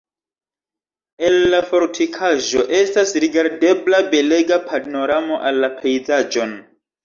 El la fortikaĵo estas rigardebla belega panoramo al la pejzaĝon.